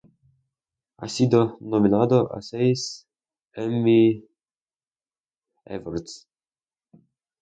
Ha sido nominado a seis Emmy Awards.